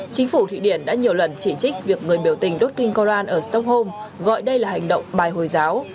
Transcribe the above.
chính phủ thụy điển đã nhiều lần chỉ trích việc người biểu tình đốt kinh koran ở stockholm gọi đây là hành động bài hồi giáo